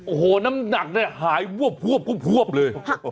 โอ้โหน้ำหนักหายพวบเลย